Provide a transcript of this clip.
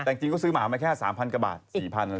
แต่จริงก็ซื้อหมามาแค่๓๐๐กว่าบาท๔๐๐อะไร